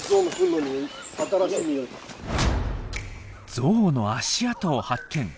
ゾウの足跡を発見！